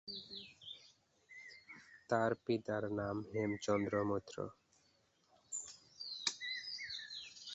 তার পিতার নাম হেমচন্দ্র মৈত্র।